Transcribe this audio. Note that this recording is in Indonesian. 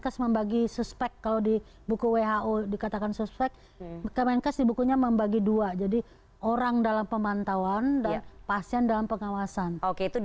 saya akan ke bang effendi